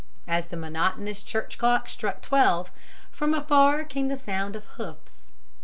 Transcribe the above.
As the monotonous church clock struck twelve, from afar came the sound of hoofs.